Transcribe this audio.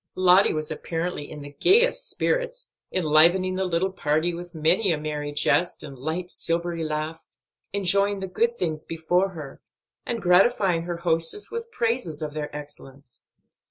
Lottie was apparently in the gayest spirits, enlivening the little party with many a merry jest and light, silvery laugh, enjoying the good things before her, and gratifying her hostess with praises of their excellence.